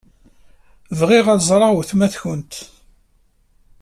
Bɣiɣ ad ẓṛeɣ weltma-tkent.